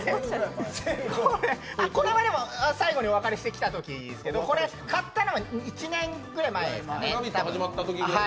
これは最後にお別れしてきたときですけど買ったのは１年くらい前ですかね。